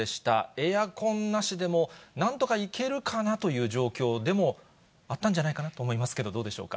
エアコンなしでもなんとかいけるかなという状況でもあったんじゃないかな？と思いますけど、どうでしょうか。